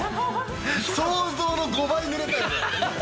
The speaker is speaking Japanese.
想像の５倍ぬれたよね。